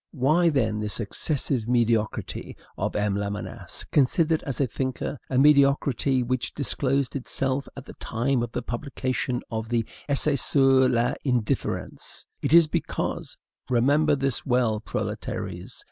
Why, then, this excessive mediocrity of M. Lamennais considered as a thinker, a mediocrity which disclosed itself at the time of the publication of the "Essai sur l'Indifference!"? It is because (remember this well, proletaires!)